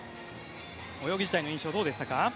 泳ぎ自体の印象はどうでしたか？